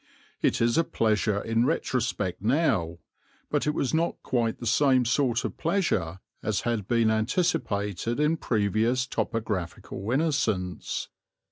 It is a pleasure in retrospect now, but it was not quite the same sort of pleasure as had been anticipated in previous topographical innocence.